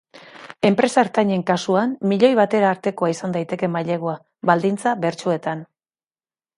Enpresa ertainen kasuan, milioi batera artekoa izan daiteke mailegua, baldintza bertsuetan.